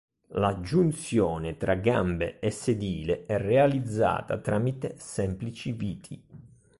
La giunzione tra gambe e sedile è realizzata tramite semplici viti.